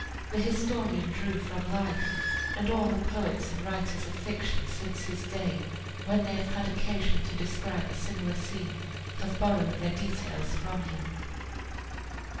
The historian drew from life, and all the poets and writers of fiction since his day, when they have had occasion to describe a similar scene, have borrowed their details from him.